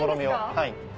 はい。